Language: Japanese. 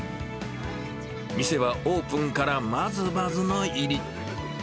店はオープンからまずまずの入り。